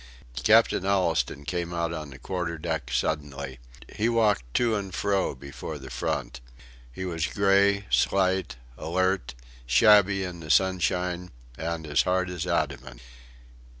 Captain Allistoun came out on the quarter deck suddenly. He walked to and fro before the front. He was grey, slight, alert, shabby in the sunshine, and as hard as adamant.